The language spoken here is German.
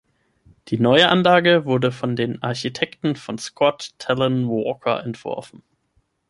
Die neue Anlage wurde von den Architekten von Scott Tallon Walker entworfen.